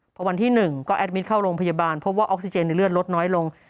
พอวันที่๑ก็แอดมิตรเข้าโรงพยาบาลพบว่าออกซิเจนในเลือดลดน้อยลง